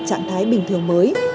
trạng thái bình thường mới